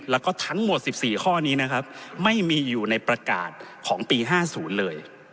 แล้วก็ทั้งหมด๑๔ข้อนี้นะครับไม่มีอยู่ในประกาศของปี๕๐เลย